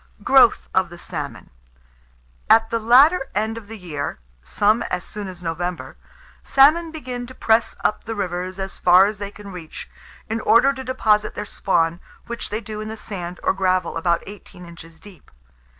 GROWTH OF THE SALMON. At the latter end of the year some as soon as November salmon begin to press up the rivers as far as they can reach, in order to deposit their spawn, which they do in the sand or gravel, about eighteen inches deep.